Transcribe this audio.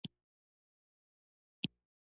یو چاته سپکاوی کول ښه عادت نه دی